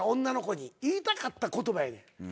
女の子に言いたかった言葉やねん。